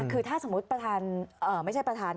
คือถ้าสมมุติประธานไม่ใช่ประธาน